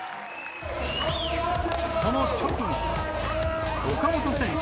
その直後、岡本選手